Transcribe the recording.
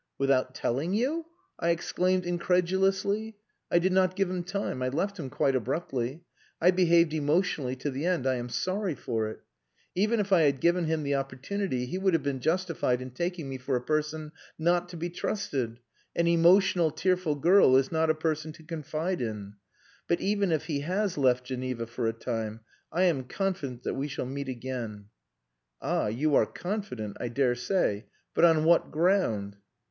"Without telling you!" I exclaimed incredulously. "I did not give him time. I left him quite abruptly. I behaved emotionally to the end. I am sorry for it. Even if I had given him the opportunity he would have been justified in taking me for a person not to be trusted. An emotional, tearful girl is not a person to confide in. But even if he has left Geneva for a time, I am confident that we shall meet again." "Ah! you are confident.... I dare say. But on what ground?"